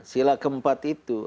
sila keempat itu